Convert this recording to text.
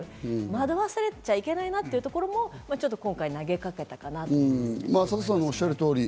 惑わされちゃいけないなというところも今回投げかけたかなと思います。